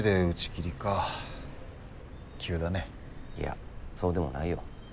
いやそうでもないよ。